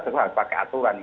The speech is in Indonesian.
serba harus pakai aturan